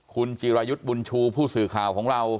คุณจิรายุทธ์บุญชูผู้สื่อข่าวของเรา